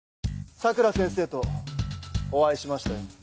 佐倉先生とお会いしましたよ。